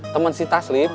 temen si taslim